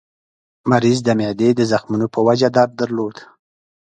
مریض د معدې د زخمونو په وجه درد درلود.